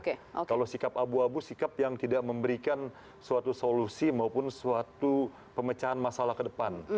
kalau sikap abu abu sikap yang tidak memberikan suatu solusi maupun suatu pemecahan masalah ke depan